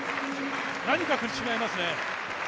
何かやはり違いますね。